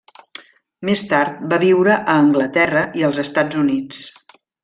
Més tard va viure a Anglaterra i als Estats Units.